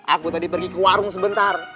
aku tadi pergi ke warung sebentar